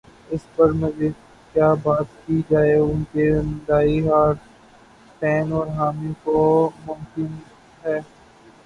اس پر مزید کیا بات کی جائے ان کے ڈائی ہارڈ فین اور حامیوں کو ممکن ہے۔